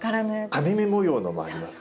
網目模様のもあります。